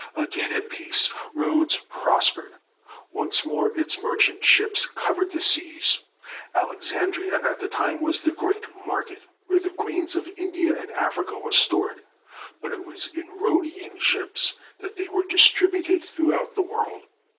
Again at peace, Rhodes prospered. Once more its merchant ships covered the seas. Alexandria at that time was the great market where the grains of India and Africa were stored, but it was in Rhodian ships that they were distributed through out the world.